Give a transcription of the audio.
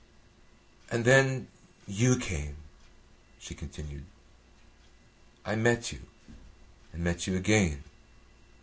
"And then you came," she continued. "I met you, and met you again.